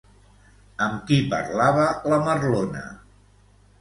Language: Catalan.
Amb qui parlava la Merlona?